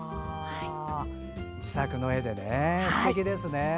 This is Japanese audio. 自作の絵で、すてきですね。